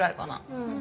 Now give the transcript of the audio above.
うん。